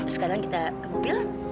sekarang kita ke mobil